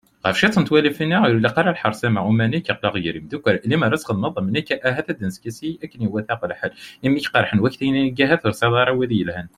Ɣef cwiṭ n tewlafin-a, ur ilaq ara lḥerṣ am wa, uma nekk aql-i gar yimeddukal, lemmer ad d-txedmeḍ am nekk, ahat ad neskasi akken iwata lḥal, imi k-qerḥen waktayen ahat ur tesɛiḍ ara widen yelhan ?